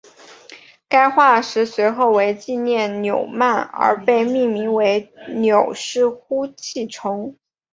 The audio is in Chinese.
该化石随后为纪念纽曼而被命名为纽氏呼气虫。